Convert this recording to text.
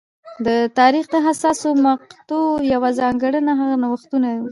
د تاریخ د حساسو مقطعو یوه ځانګړنه هغه نوښتونه وو